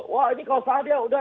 wah ini kalau saatnya udah